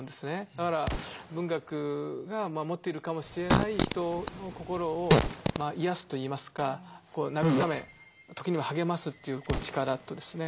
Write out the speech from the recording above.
だから文学が持っているかもしれない人の心を癒やすといいますか慰め時には励ますという力とですね